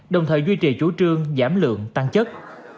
đồng thời duy trì chủ trương giảm lượng tăng chất